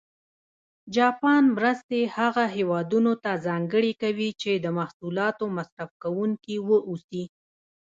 جاپان مرستې هغه هېوادونه ته ځانګړې کوي چې د محصولاتو مصرف کوونکي و اوسي.